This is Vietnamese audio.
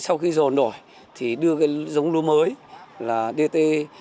sau khi dồn đổi thì đưa cái giống lúa mới là dt một trăm linh